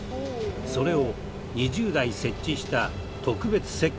それを２０台設置した特別設計に。